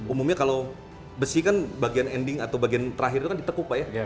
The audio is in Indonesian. umumnya kalau besi kan bagian ending atau bagian terakhir itu kan ditekuk pak ya